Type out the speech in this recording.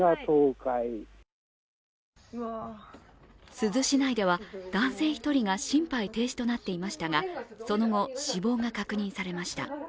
珠洲市内では男性１人が心肺停止となっていましたがその後、死亡が確認されました。